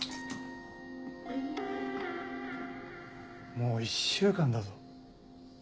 もう１週間だぞ。